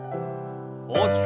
大きく。